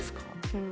うん。